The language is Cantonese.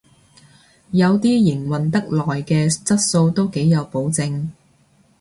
有啲營運得耐嘅質素都幾有保證